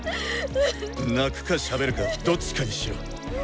泣くかしゃべるかどっちかにしろ！